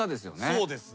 そうですね。